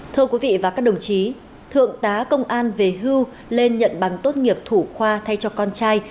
thưa quý vị và các đồng chí thượng tá công an về hưu lên nhận bằng tốt nghiệp thủ khoa thay cho con trai